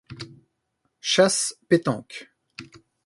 Chasse, pétanque.